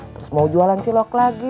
terus mau jualan cilok lagi